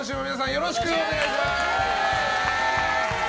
よろしくお願いします。